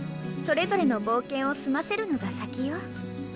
それぞれの冒険を済ませるのが先よ。